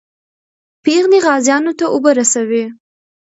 پېغلې غازیانو ته اوبه رسوي.